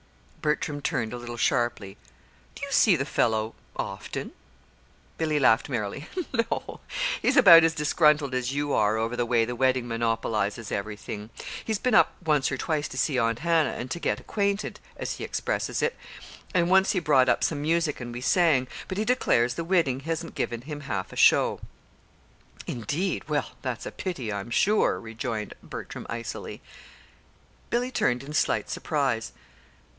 Bertram turned a little sharply. "Do you see the fellow often?" Billy laughed merrily. "No. He's about as disgruntled as you are over the way the wedding monopolizes everything. He's been up once or twice to see Aunt Hannah and to get acquainted, as he expresses it, and once he brought up some music and we sang; but he declares the wedding hasn't given him half a show." "Indeed! Well, that's a pity, I'm sure," rejoined Bertram, icily. Billy turned in slight surprise.